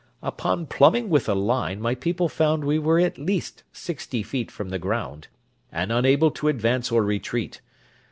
Upon plumbing with a line my people found we were at least sixty feet from the ground, and unable to advance or retreat.